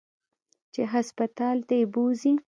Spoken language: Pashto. چې هسپتال ته يې بوځي.